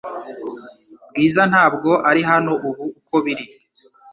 Bwiza ntabwo ari hano ubu uko biri